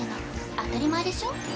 当たり前でしょ？